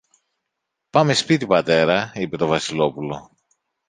Πάμε σπίτι, πατέρα, είπε το Βασιλόπουλο